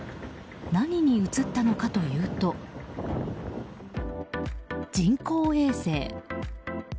何に映ったのかというと人工衛星。